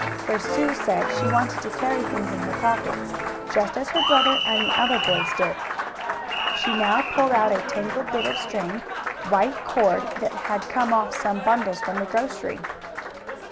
For Sue said she wanted to carry things in her pockets, just as her brother and the other boys did. She now pulled out a tangled bit of string, white cord that had come off some bundles from the grocery.